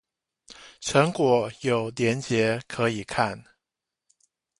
成果有連結可以看